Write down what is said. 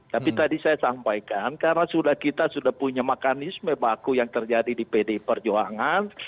tapi tadi saya sampaikan karena kita sudah punya mekanisme baku yang terjadi di pdi perjuangan